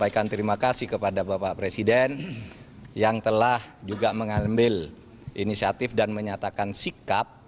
saya terima kasih kepada bapak presiden yang telah juga mengambil inisiatif dan menyatakan sikap